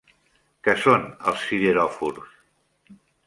Què són els sideròfors?